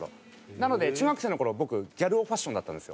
なので中学生の頃僕ギャル男ファッションだったんですよ。